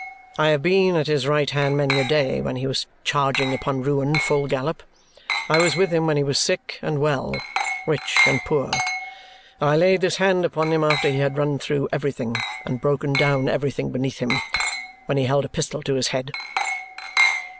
I have been at his right hand many a day when he was charging upon ruin full gallop. I was with him when he was sick and well, rich and poor. I laid this hand upon him after he had run through everything and broken down everything beneath him when he held a pistol to his head."